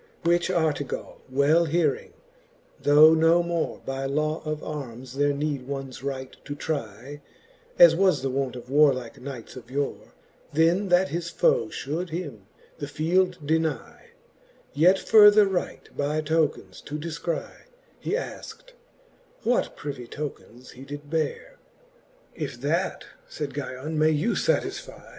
XXXII. Which Artegall well hearing, though no more By law of armes there neede ones right to trie, As was the wont of warlike knights of yore, Then that his foe fhould him the field denie, Yet further right by tokens to defcrie, He afkt, what privie tokens he did beare. If that faid, Guyon ^ may you fatisfie.